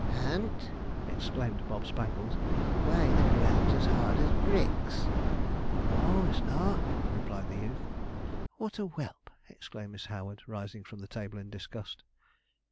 'Hunt!' exclaimed Bob Spangles; 'why, the ground's as hard as bricks.' 'N o a, it's not,' replied the youth. 'What a whelp!' exclaimed Miss Howard, rising from the table in disgust.